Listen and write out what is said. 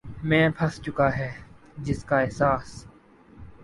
میں پھنس چکے ہیں جس کا احساس